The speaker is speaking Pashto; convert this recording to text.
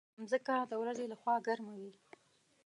مځکه د ورځې له خوا ګرمه وي.